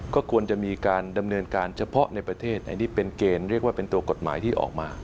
ก็ควรจะมีการดำเนินการเฉพาะในประเทศอันนี้เป็นเกณฑ์เรียกว่าเป็นตัวกฎหมายที่ออกมา